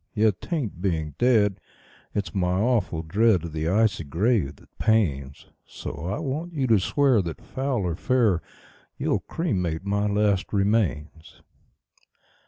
Yet 'tain't being dead it's my awful dread of the icy grave that pains; So I want you to swear that, foul or fair, you'll cremate my last remains."